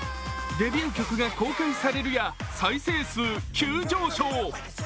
デビュー曲が公開されるや再生数急上昇。